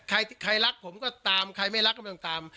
ใครที่ใครรักผมก็ตามใครไม่รักก็ต้องตาม